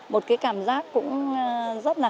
một cái cảm giác cũng rất là